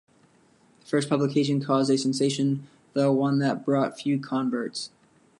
The first publication caused a sensation, though one that brought few converts.